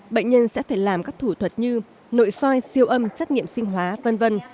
bệnh nhân sẽ phải làm các thủ thuật như nội soi siêu âm xét nghiệm sinh hóa v v